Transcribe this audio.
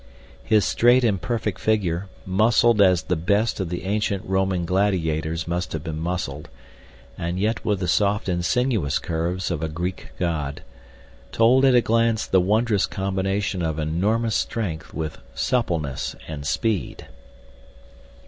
His straight and perfect figure, muscled as the best of the ancient Roman gladiators must have been muscled, and yet with the soft and sinuous curves of a Greek god, told at a glance the wondrous combination of enormous strength with suppleness and speed.